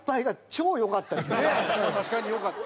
確かによかった。